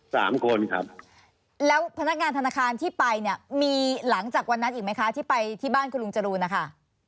สามคนครับแล้วพนักงานธนาคารที่ไปเนี่ยมีหลังจากวันนั้นอีกไหมคะที่ไปที่บ้านคุณลุงจรูนนะคะ